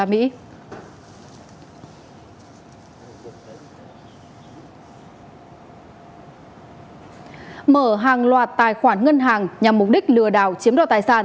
mở hàng loạt tài khoản ngân hàng nhằm mục đích lừa đảo chiếm đoạt tài sản